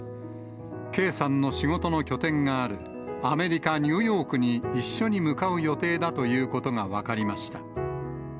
圭さんの仕事の拠点がある、アメリカ・ニューヨークに一緒に向かう予定だということが分かりました。